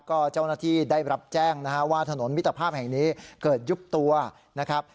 ก็เจ้าหน้าที่ได้รับแจ้งนะฮะว่าถนนมิตรภาพแห่งนี้เกิดยุบตัวนะครับ